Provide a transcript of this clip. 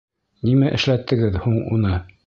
Нимә эшләттегеҙ һуң уны?